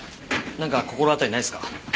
なんか心当たりないっすか？